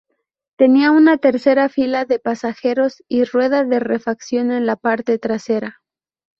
Tenía una tercera fila de pasajeros y rueda de refacción en la parte trasera.